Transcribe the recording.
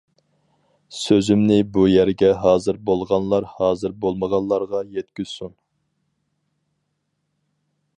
سۆزۈمنى بۇ يەرگە ھازىر بولغانلار ھازىر بولمىغانلارغا يەتكۈزسۇن!